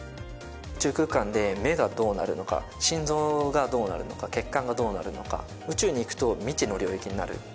宇宙空間で目がどうなるのか心臓がどうなるのか血管がどうなるのか宇宙に行くと未知の領域になる。